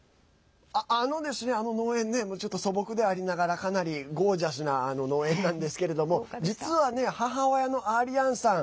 あの農園ねちょっと素朴ではありながらかなりゴージャスな農園なんですけれども実はね、母親のアリアンさん。